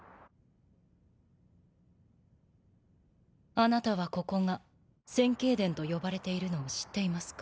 あなたはここが千景殿と呼ばれているのを知っていますか？